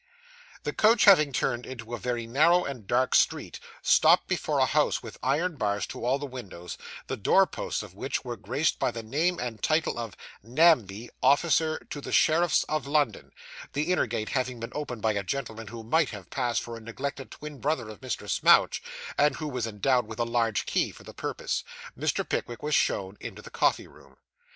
The coach having turned into a very narrow and dark street, stopped before a house with iron bars to all the windows; the door posts of which were graced by the name and title of 'Namby, Officer to the Sheriffs of London'; the inner gate having been opened by a gentleman who might have passed for a neglected twin brother of Mr. Smouch, and who was endowed with a large key for the purpose, Mr. Pickwick was shown into the 'coffee room.